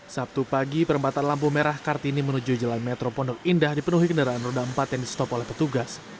sabtu pagi perempatan lampu merah kartini menuju jalan metro pondok indah dipenuhi kendaraan roda empat yang di stop oleh petugas